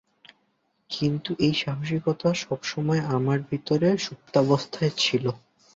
কিন্তু এই সাহসিকতা সবসময় আমার ভিতরে সুপ্তাবস্থায় ছিল।